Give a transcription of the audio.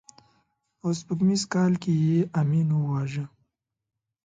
په سپوږمیز کال کې یې امین وواژه.